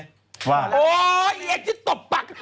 โอ๊ยไอ้แอ็กซ์จะตบปาก